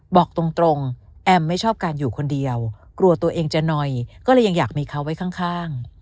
บอกตรงแอมไม่ชอบการอยู่คนเดียวกลัวตัวเองจะหน่อยก็เลยยังอยากมีเขาไว้ข้าง